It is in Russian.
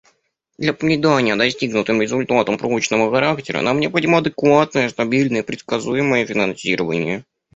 Для придания достигнутым результатам прочного характера нам необходимо адекватное, стабильное и предсказуемое финансирование.